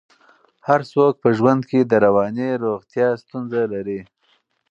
هر څوک په ژوند کې د رواني روغتیا ستونزه لري.